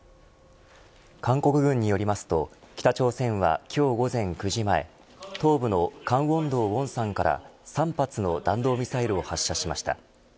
韓国軍によりますと北朝鮮は今日午前９時前東部の江原道元山から３発の弾道ミサイルを発射しました。